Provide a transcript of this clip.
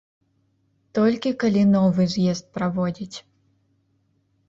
Толькі калі новы з'езд праводзіць.